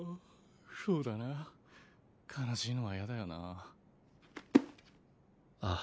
そうだな悲しいのはヤダよなああ